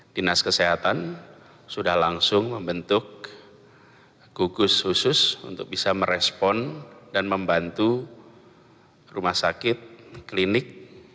dinas kesehatan sudah langsung membentuk gugus khusus untuk bisa merespon dan membantu rumah sakit klinik